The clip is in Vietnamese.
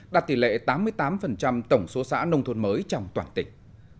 đạt tỷ lệ tám mươi tám tổng số xã nông thôn mới trong toàn tỉnh